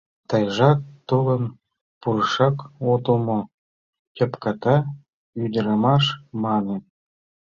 — Тыйжат толын пурышак отыл мо? — тӧпката ӱдырамаш мане.